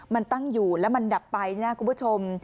มันตั้งอยู่แล้วมันดับไปนะครับคุณผู้ชม